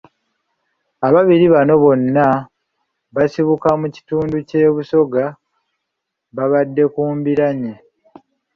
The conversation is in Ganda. Ababiri bano nga bonna basibuka mu kitundu ky’e Busoga babadde ku mbiranye.